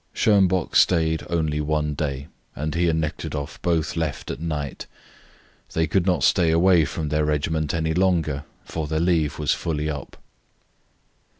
Schonbock stayed only one day, and he and Nekhludoff both, left at night. They could not stay away from their regiment any longer, for their leave was fully up.